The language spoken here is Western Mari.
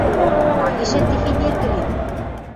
Ма гишӓн техень эргӹ лин?